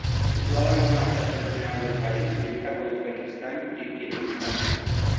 Situada en la zona septentrional del país, limita con Uzbekistán y Kirguistán.